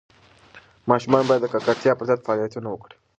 ماشومان باید د ککړتیا پر ضد فعالیتونه وکړي.